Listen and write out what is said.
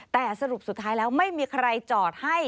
แต่สรุปสุดท้ายแล้วไม่มีใครจอดให้